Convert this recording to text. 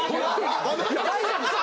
大丈夫ですか？